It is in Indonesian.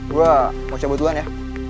gue mau cabut duluan ya